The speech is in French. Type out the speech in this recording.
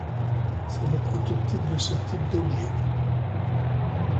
C'est le prototype de ce type d'objets.